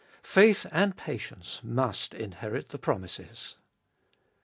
Faith and patience must inherit the promises.